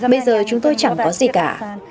bây giờ chúng tôi chẳng có gì cả